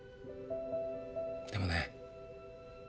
でもね